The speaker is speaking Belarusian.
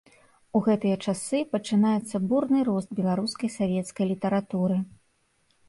У гэтыя часы пачынаецца бурны рост беларускай савецкай літаратуры.